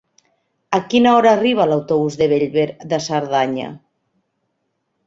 A quina hora arriba l'autobús de Bellver de Cerdanya?